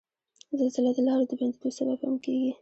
زلزله د لارو د بندیدو سبب هم کیږي.